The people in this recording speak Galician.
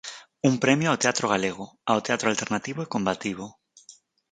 Un premio ao teatro galego, ao teatro alternativo e combativo!